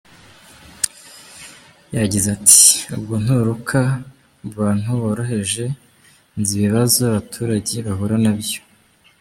Yagize ati “ubwo nturuka mu bantu boroheje, nzi ibibazo abaturage bahura nabyo.